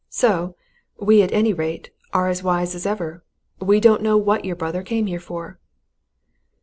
So we at any rate, are as wise as ever. We don't know what your brother came here for!"